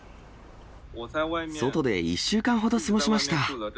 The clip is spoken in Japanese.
外で１週間ほど過ごしました。